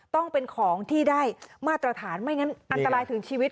ต้องเป็นของที่ได้มาตรฐานไม่งั้นอันตรายถึงชีวิต